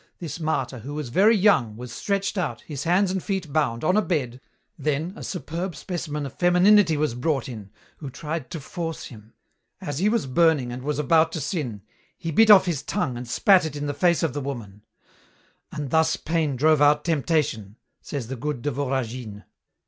This martyr, who was very young, was stretched out, his hands and feet bound, on a bed, then a superb specimen of femininity was brought in, who tried to force him. As he was burning and was about to sin, he bit off his tongue and spat it in the face of the woman, "and thus pain drove out temptation," says the good de Voragine."